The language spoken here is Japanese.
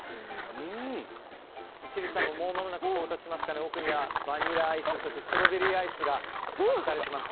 千里さんももうまもなく到達しますが奥にはバニラアイスストロベリーアイスが隠されています。